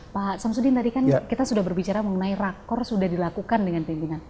pak samsudin tadi kan kita sudah berbicara mengenai rakor sudah dilakukan dengan pimpinan